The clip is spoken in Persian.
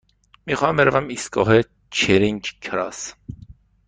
می خواهم بروم ایستگاه چرینگ کراس.